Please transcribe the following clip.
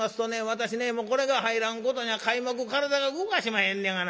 私ねこれが入らんことには皆目体が動かしまへんねがな。